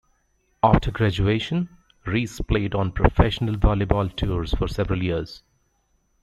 After graduation, Reece played on professional volleyball tours for several years.